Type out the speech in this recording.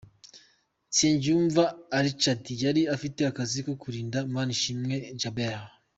Nsengiyumva Irshad yari afite akazi ko kurinda Manishimwe Djabel.